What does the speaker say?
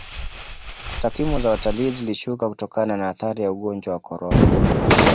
takwimu za watalii zilishuka kutokana na athari ya ugonjwa wa korona